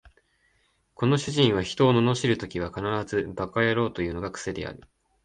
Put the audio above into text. この主人は人を罵るときは必ず馬鹿野郎というのが癖である